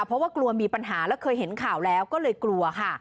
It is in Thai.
เพราะว่ากลัวมีปัญหาแล้วเคยเห็นข่าวแล้วก็เลยกลัวค่ะ